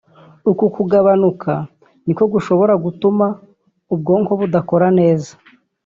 uku kugabanuka niko gushobora gutuma ubwonko budakora neza